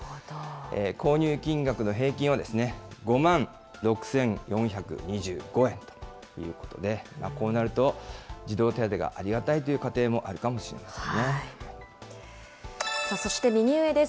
購入金額の平均は、５万６４２５円ということで、こうなると、児童手当がありがたいという家庭そして右上です。